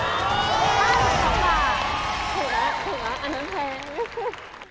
๕๒บาทถูกแล้วถูกแล้วอันนั้นแพง